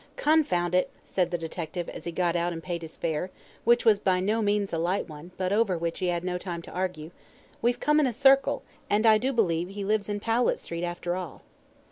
"Confound it," said the detective, as he got out and paid his fare, which was by no means a light one, but over which he had no time to argue, "we've come in a circle, and I do believe he lives in Powlett Street after all."